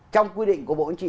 trong quy định của bộ anh chị